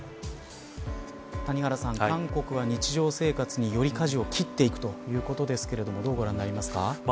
谷原さん、韓国は日常生活によりかじを切っていくということですけど、どうご覧なりますか。